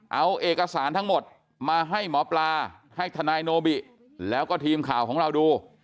เอาเอกสารทั้งหมดมาให้หมอปลาให้ทนายโนบิแล้วก็ทีมข่าวของเราดู